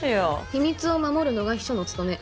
秘密を守るのが秘書の務め。